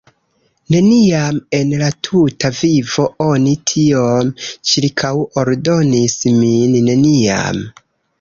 "Neniam en la tuta vivo oni tiom ĉirkaŭordonis min, neniam!"